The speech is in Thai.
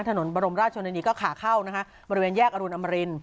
บรมราชชนนานีก็ขาเข้านะคะบริเวณแยกอรุณอมริน